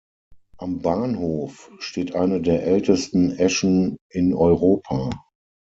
Am Bahnhof steht eine der ältesten Eschen in Europa.